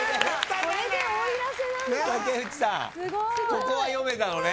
ここは読めたのね。